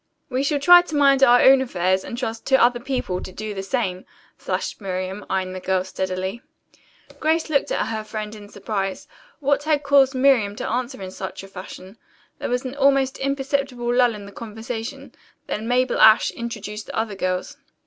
"We shall try to mind our own affairs, and trust to other people to do the same," flashed Miriam, eyeing the other girl steadily. Grace looked at her friend in surprise. What had caused Miriam to answer in such fashion? There was an almost imperceptible lull in the conversation, then Mabel Ashe introduced the other girls.